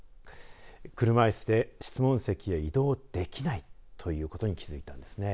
車いすで質問席へ移動できないということに気づいたんですね。